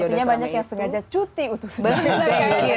sepertinya banyak yang sengaja cuti untuk sneaker days